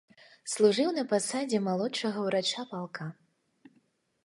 Служыў на пасадзе малодшага ўрача палка.